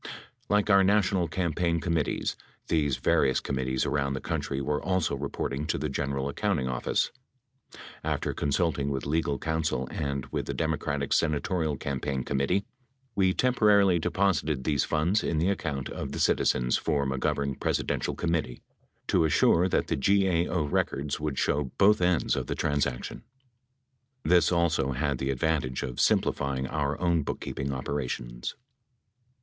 11 Like our national campaign committees, these various com mittees around the country were also reporting to the General Accounting Office. After consulting with legal counsel and with the Democratic Senatorial Campaign Committee, we temporarily deposited these funds in the account of the Citi zens for McGovern Presidential Committee, to assure that the GAO records would show both ends of the transaction. This also had the advantage of simplifying our own book keeping operations.